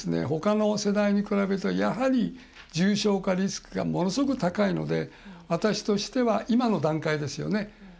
ほかの世代に比べてやはり重症化リスクがものすごく高いので私としては今の段階ですよね。